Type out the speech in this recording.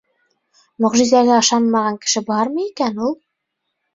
— Мөғжизәгә ышанмаған кеше бармы икән ул?